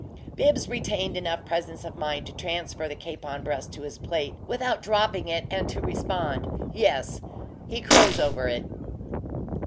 Bibbs retained enough presence of mind to transfer the capon breast to his plate without dropping it and to respond, "Yes he crows over it."